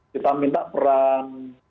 kita minta peran